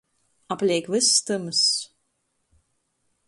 Apleik vyss tymss.